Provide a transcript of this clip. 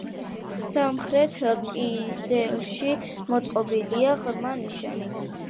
სამხრეთ კედელში მოწყობილია ღრმა ნიშა.